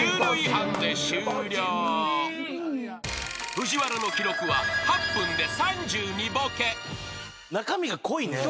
［ＦＵＪＩＷＡＲＡの記録は８分で３２ボケ］